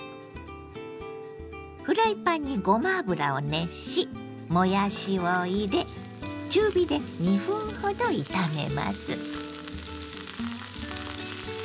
フライパンにごま油を熱しもやしを入れ中火で２分ほど炒めます。